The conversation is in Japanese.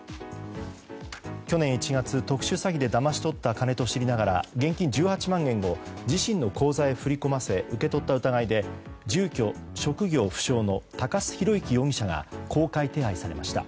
去年１月、特殊詐欺でだまし取った金と知りながら現金１８万円を自身の口座へ振り込ませ受け取った疑いで住居・職業不詳の鷹巣浩之容疑者が公開手配されました。